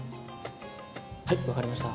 はいわかりました。